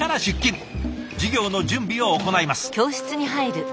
授業の準備を行います。